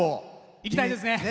行きたいですね！